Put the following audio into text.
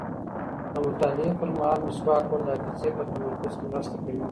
د مطالعې پر مهال مسواک وهل د حافظې په تمرکز کې مرسته کوي.